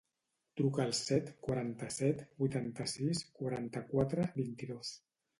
Truca al set, quaranta-set, vuitanta-sis, quaranta-quatre, vint-i-dos.